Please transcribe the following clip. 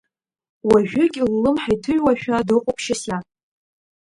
Уажәыгь ллымҳа иҭыҩуашәа дыҟоуп Шьасиа.